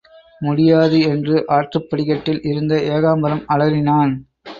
முடியாது என்று ஆற்றுப் படிக்கட்டில் இருந்த ஏகாம்பரம் அலறினான்.